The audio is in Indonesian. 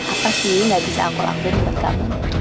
apa sih gak bisa aku lakuin buat kamu